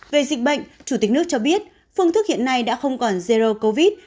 về dịch bệnh chủ tịch nước cho biết phương thức hiện nay đã không còn zero covid